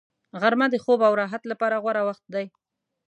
غرمه د خوب او راحت لپاره غوره وخت دی